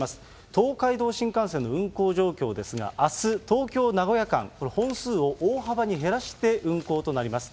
東海道新幹線の運行状況ですが、あす、東京・名古屋間、これ、本数を大幅に減らして運行となります。